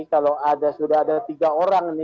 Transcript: kalau sudah ada tiga orang yang ditahan ini ya